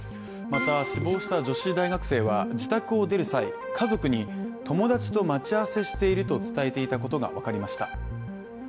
また死亡した女子大学生は自宅を出る際、家族に友達と待ち合わせしていると伝えていたことが分かりました。